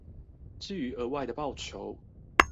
至於額外的報酬